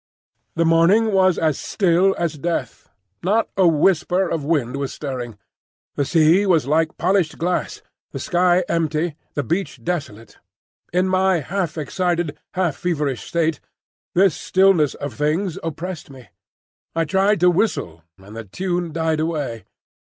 The morning was as still as death. Not a whisper of wind was stirring; the sea was like polished glass, the sky empty, the beach desolate. In my half excited, half feverish state, this stillness of things oppressed me. I tried to whistle, and the tune died away.